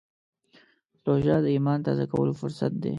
روژه د ایمان تازه کولو فرصت دی.